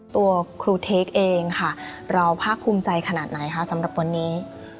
ตัวครูเทคเองค่ะเราภาคภูมิใจขนาดไหนคะสำหรับวันนี้